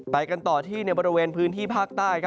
ไปกันต่อที่ในบริเวณพื้นที่ภาคใต้